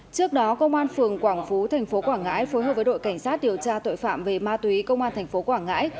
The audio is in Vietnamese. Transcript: trước đó công an phường quảng phú thành phố quảng ngãi phối hợp với đội cảnh sát điều tra tội phạm về ma túy công an thành phố quảng ngãi